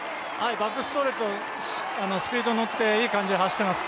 バックストレート、スピードに乗って、いい感じで走っています。